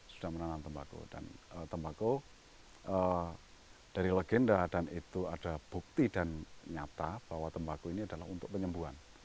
sudah menanam tembakau dan tembakau dari legenda dan itu ada bukti dan nyata bahwa tembakau ini adalah untuk penyembuhan